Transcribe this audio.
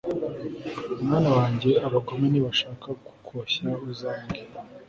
mwana wanjye, abagome nibashaka kukoshya, uzange